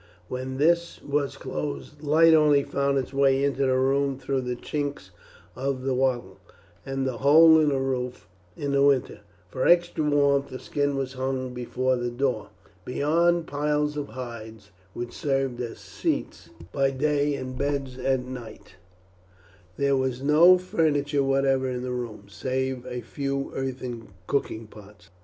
When this was closed light only found its way into the room through the chinks of the wattle and the hole in the roof. In winter, for extra warmth, a skin was hung before the door. Beyond piles of hides, which served as seats by day and beds at night, there was no furniture whatever in the rooms, save a few earthen cooking pots.